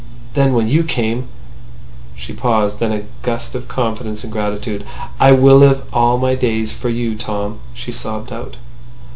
Then when you came. ..." She paused. Then in a gust of confidence and gratitude, "I will live all my days for you, Tom!" she sobbed out.